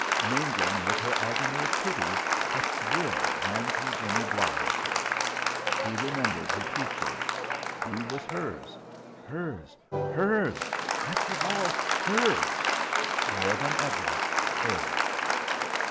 Mingling with her agony of pity, a thrill, ran through Jenny Bligh at this. He remembered her teaching; he was hers hers hers after all, hers more than ever hers!